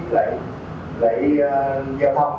nó lạy lạy giao thông